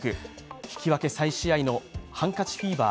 引き分け再試合のハンカチフィーバー。